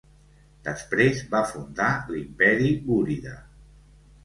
Després va fundar l'Imperi gúrida.